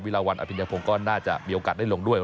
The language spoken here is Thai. ลาวันอภิญญพงศ์ก็น่าจะมีโอกาสได้ลงด้วย